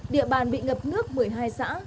địa bàn bị ngập nước một mươi hai xã